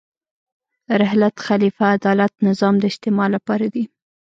رحلت، خلیفه، عدالت، نظام د استعمال لپاره دي.